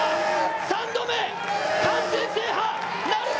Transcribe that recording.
３度目、完全制覇者なるか。